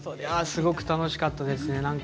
すごく楽しかったですね。